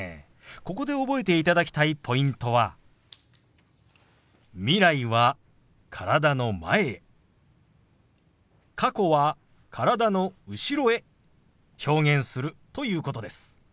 ここで覚えていただきたいポイントは未来は体の前へ過去は体の後ろへ表現するということです。